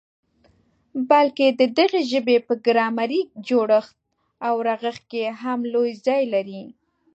بلکي د دغي ژبي په ګرامري جوړښت او رغښت کي هم لوی ځای لري.